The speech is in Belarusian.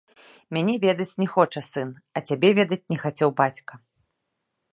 Мяне ведаць не хоча сын, а цябе ведаць не хацеў бацька.